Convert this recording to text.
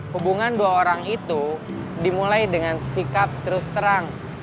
hubungan dua orang itu dimulai dengan sikap terus terang